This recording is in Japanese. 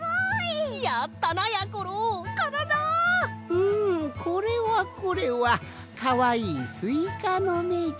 うんこれはこれはかわいいスイカのめじゃ。